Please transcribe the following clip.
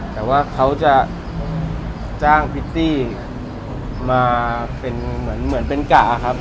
แต่ว่าเขาจะจ้างพิตตี้มาเป็นเหมือนเป็นกะครับ